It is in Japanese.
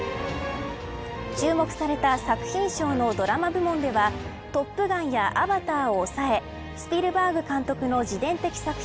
注目された作品賞のドラマ部門ではトップガンやアバターをおさえスピルバーグ監督の自伝的作品